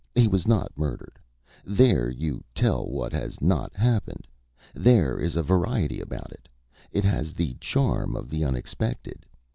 He was not murdered.' There you tell what has not happened. There is a variety about it. It has the charm of the unexpected.